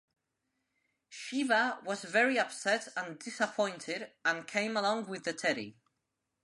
Shiva was very upset and disappointed and came along with the Teddy.